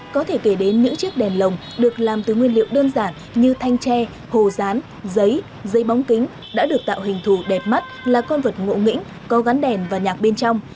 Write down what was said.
có thể kể đến những chiếc đèn lồng được làm từ nguyên liệu đơn giản như thanh tre hồ rán giấy dây bóng kính đã được tạo hình thù đẹp mắt là con vật ngộ nghĩnh có gắn đèn và nhạc bên trong